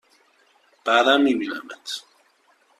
بعدا می بینمت!